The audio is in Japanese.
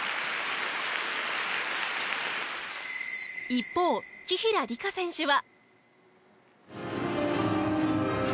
一方紀平梨花選手は。